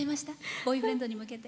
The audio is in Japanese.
ボーイフレンドに向けて。